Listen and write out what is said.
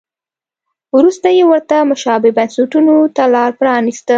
وروسته یې ورته مشابه بنسټونو ته لار پرانیسته.